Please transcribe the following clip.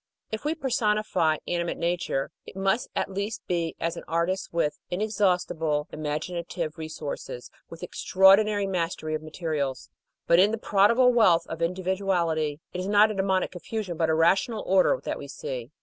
If we per sonify "Animate Nature," it must at least be as an artist with inexhaustible imaginative resources, with extraordinary mastery of materials. But in the prodigal wealth of individuality, it is not a daemonic confusion, but a rational order that we see.